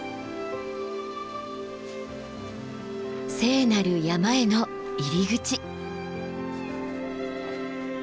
聖なる山への入り口！